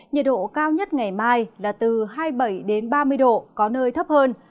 nhiệt độ cao nhất ngày mai là từ hai mươi bảy đến ba mươi độ có nơi thấp hơn